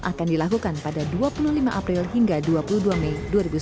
akan dilakukan pada dua puluh lima april hingga dua puluh dua mei dua ribu sembilan belas